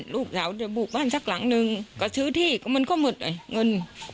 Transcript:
ลูกสาวจะบุกบ้านสักหลังนึงก็ซื้อที่ก็มันก็หมดเลยเงิน